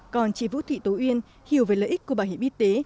còn chị vũ thị tố uyên hiểu về lợi ích của bảo hiểm y tế